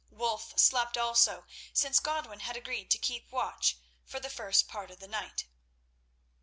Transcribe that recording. Wulf slept also, since Godwin had agreed to keep watch for the first part of the night.